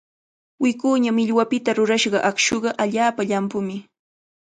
Wikuña millwapita rurashqa aqshuqa allaapa llampumi.